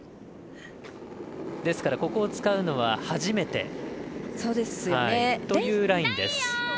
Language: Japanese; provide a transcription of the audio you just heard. ここを使うのは初めてというラインです。